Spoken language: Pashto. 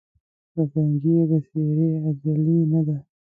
بدرنګي یې د څېرې ازلي نه ده